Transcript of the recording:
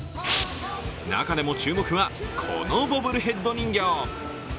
中でも注目は、このボブルヘッド人形。